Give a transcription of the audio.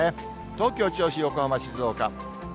東京、銚子、横浜、静岡。